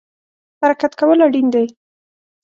حرکت کول اړین دی